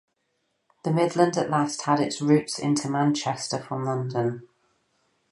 The Midland at last had its route into Manchester from London.